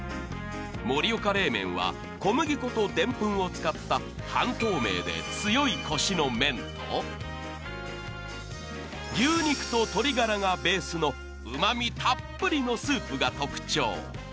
盛岡冷麺は小麦粉とデンプンを使った半透明で強いコシの麺と牛肉と鶏ガラがベースの旨みたっぷりのスープが特徴